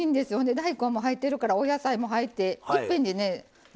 大根も入ってるからお野菜も入っていっぺんでね全部済むでしょう。